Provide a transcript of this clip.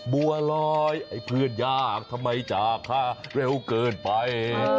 บัวลอยไอ้เพื่อนยากทำไมจากค่าเร็วเกินไป